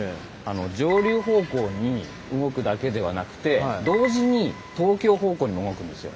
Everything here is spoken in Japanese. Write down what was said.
上流方向に動くだけではなくて同時に東京方向にも動くんですよ。